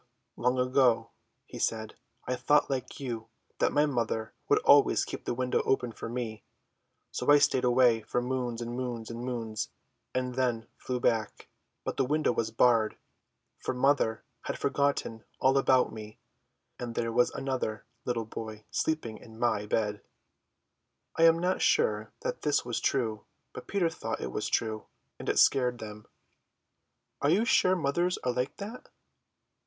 "Long ago," he said, "I thought like you that my mother would always keep the window open for me, so I stayed away for moons and moons and moons, and then flew back; but the window was barred, for mother had forgotten all about me, and there was another little boy sleeping in my bed." I am not sure that this was true, but Peter thought it was true; and it scared them. "Are you sure mothers are like that?"